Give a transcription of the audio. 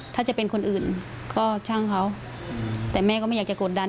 ถ้าจะเป็นคนอื่นก็ช่างเขาแต่แม่ก็ไม่อยากจะกดดัน